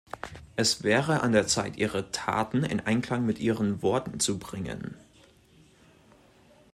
Es wäre an der Zeit, Ihre Taten in Einklang mit Ihren Worten zu bringen.